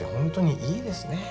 いいですね。